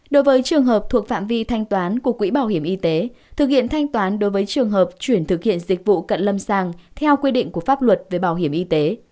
đối với trường hợp thuộc phạm vi thanh toán của quỹ bảo hiểm y tế thực hiện thanh toán đối với trường hợp chuyển thực hiện dịch vụ cận lâm sàng theo quy định của pháp luật về bảo hiểm y tế